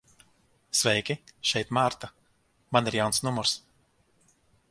Sveiki, šeit Marta. Man ir jauns numurs.